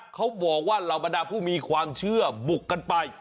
เขาบอกว่าเหล่าบรรดาผู้มีความเชื่อบุกกันไป